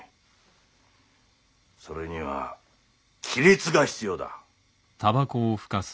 それには規律が必要だ。